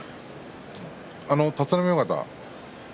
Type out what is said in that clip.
立浪親方